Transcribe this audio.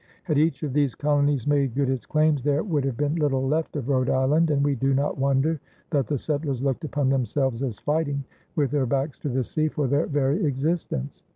Had each of these colonies made good its claim, there would have been little left of Rhode Island, and we do not wonder that the settlers looked upon themselves as fighting, with their backs to the sea, for their very existence.